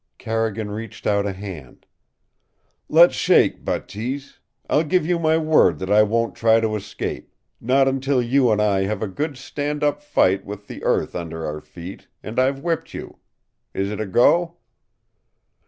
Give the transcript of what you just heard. Carrigan reached out a hand. "Let's shake, Bateese. I'll give you my word that I won't try to escape not until you and I have a good stand up fight with the earth under our feet, and I've whipped you. Is it a go?"